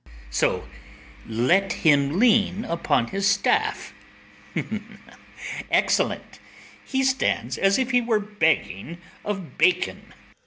] So, let him lean upon his staff; excellent! he stands as if he were begging of bacon.